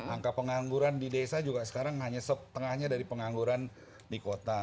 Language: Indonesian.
angka pengangguran di desa juga sekarang hanya setengahnya dari pengangguran di kota